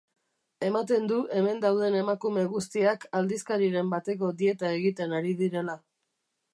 Ematen du hemen dauden emakume guztiak aldizkariren bateko dieta egiten ari direla.